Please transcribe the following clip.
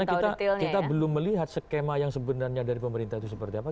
karena kita belum melihat skema yang sebenarnya dari pemerintah itu seperti apa